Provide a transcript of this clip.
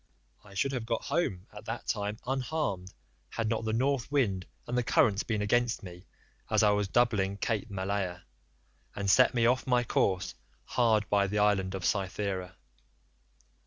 I should have got home at that time unharmed had not the North wind and the currents been against me as I was doubling Cape Malea, and set me off my course hard by the island of Cythera.